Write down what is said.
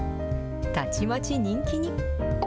たちまち人気に。